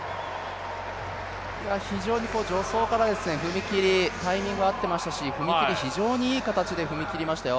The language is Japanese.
非常に助走からタイミングが合っていましたし、踏み切り、非常にいい跳躍でしたよ。